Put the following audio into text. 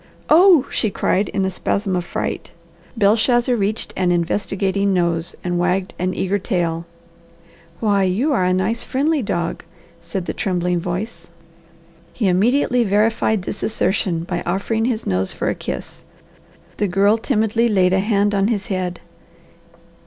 "Oh!" she cried in a spasm of fright. Belshazzar reached an investigating nose and wagged an eager tail. "Why you are a nice friendly dog!" said the trembling voice. He immediately verified the assertion by offering his nose for a kiss. The girl timidly laid a hand on his head.